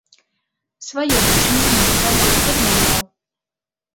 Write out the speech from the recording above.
Сваё дачыненне да забойства адмаўляў.